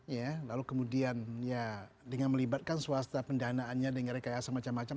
ya lalu kemudian ya dengan melibatkan swasta pendanaannya dengan rekayasa macam macam